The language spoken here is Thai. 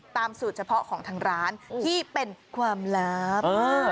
สูตรเฉพาะของทางร้านที่เป็นความลับ